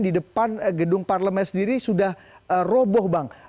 di depan gedung parlemen sendiri sudah roboh bang